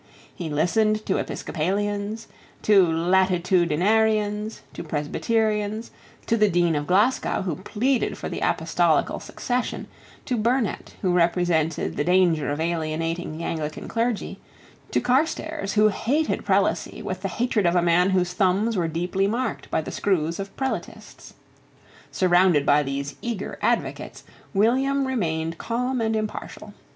He listened to Episcopalians, to Latitudinarians, to Presbyterians, to the Dean of Glasgow who pleaded for the apostolical succession, to Burnet who represented the danger of alienating the Anglican clergy, to Carstairs who hated prelacy with the hatred of a man whose thumbs were deeply marked by the screws of prelatists. Surrounded by these eager advocates, William remained calm and impartial.